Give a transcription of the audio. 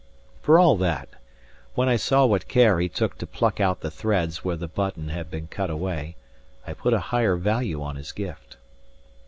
For all that, when I saw what care he took to pluck out the threads where the button had been cut away, I put a higher value on his gift.